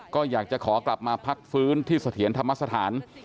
ก็อยากจะขอกลับมาพักฟื้นที่เสถียรธรรมสถาน